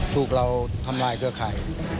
ถูกเราทำลายเกื้อใคร